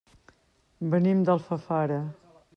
Venim d'Alfafara.